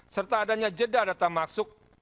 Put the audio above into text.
serta adanya jeda data masuk